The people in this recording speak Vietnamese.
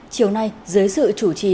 chiều nay dưới sự chủ trì